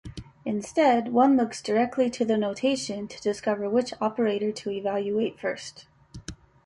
Instead, one looks directly to the notation to discover which operator to evaluate first.